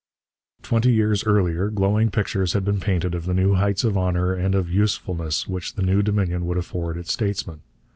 Twenty years earlier glowing pictures had been painted of the new heights of honour and of usefulness which the new Dominion would afford its statesmen.